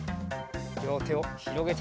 りょうてをひろげて。